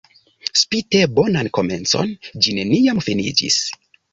Spite bonan komencon, ĝi neniam finiĝis.